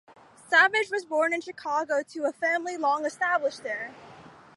Savage was born in Chicago to a family long established there.